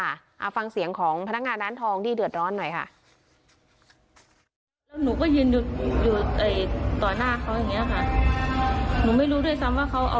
เอาฟังเสียงของพนักงานร้านทองที่เดือดร้อนหน่อยค่ะ